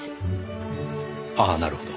ああなるほど。